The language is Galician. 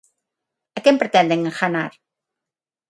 ¿A quen pretenden enganar?